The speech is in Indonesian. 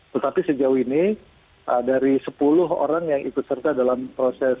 tetapi sejauh ini dari sepuluh orang yang ikut serta dalam proses